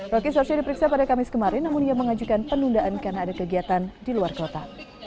rocky sarsya diperiksa pada kamis kemarin namun ia mengajukan penundaan karena ada kegiatan di luar kota